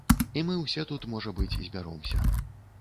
І мы ўсе тут, можа быць, збяромся.